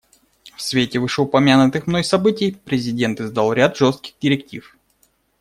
В свете вышеупомянутых мной событий президент издал ряд жестких директив.